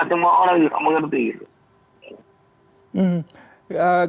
itu juga ada banyak orang yang tidak mengerti